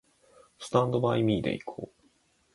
スタンドバイミーで行こう